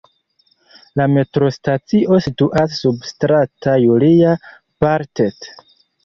La metrostacio situas sub Strato Julia-Bartet.